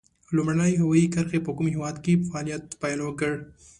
لومړنۍ هوایي کرښې په کوم هېواد کې په فعالیت پیل وکړ؟